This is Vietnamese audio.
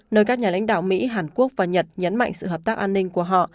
nơi các nhà lãnh đạo mỹ hàn quốc và nhật nhấn mạnh sự hợp tác an ninh của họ